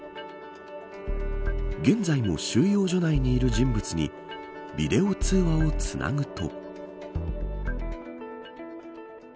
現在も収容所内にいる人物にビデオ通話をつなぐと。